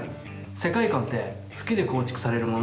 世界観って「好き」で構築されるものなんだよね。